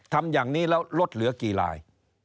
ทำอย่างนี้แล้วลดเหลือกี่ลาย